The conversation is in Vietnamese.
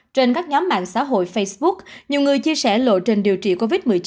trên các nhóm mạng xã hội facebook nhiều người chia sẻ lộ trình điều trị covid một mươi chín